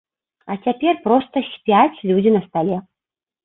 А цяпер проста спяць людзі на стале.